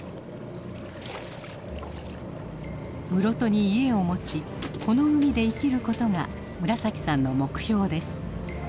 室戸に家を持ちこの海で生きることが村崎さんの目標です。